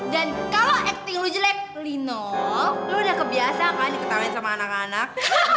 dan kalau acting lo jelek linol lo udah kebiasa apa nih ketahuin sama anak anak